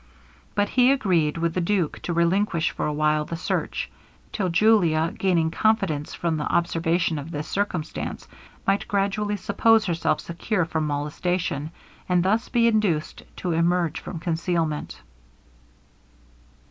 But he agreed with the duke to relinquish for a while the search; till Julia, gaining confidence from the observation of this circumstance, might gradually suppose herself secure from molestation, and thus be induced to emerge from concealment.